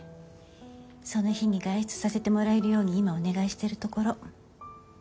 その日に外出させてもらえるように今お願いしてるところ。